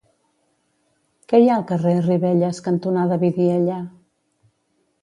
Què hi ha al carrer Ribelles cantonada Vidiella?